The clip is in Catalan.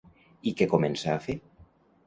I què comença a fer?